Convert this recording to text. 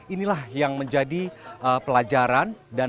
inilah yang menjadi pelajaran dan mengajarkan para dahhe